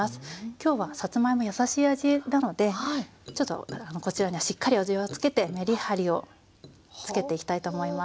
今日はさつまいもやさしい味なのでちょっとこちらにはしっかり味を付けてめりはりをつけていきたいと思います。